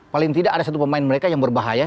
paling tidak ada satu pemain mereka yang berbahaya